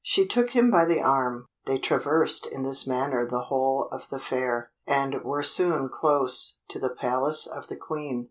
She took him by the arm. They traversed in this manner the whole of the Fair, and were soon close to the palace of the Queen.